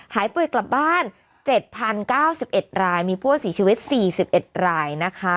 หายป่วยกลับบ้านเจ็ดพันเก้าสิบเอ็ดรายมีผู้อาชีพชีวิตสี่สิบเอ็ดรายนะคะ